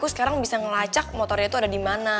sekarang bisa ngelacak motornya tuh ada dimana